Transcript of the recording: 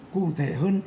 cụ thể hơn